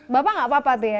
bapak gak apa apa tuh ya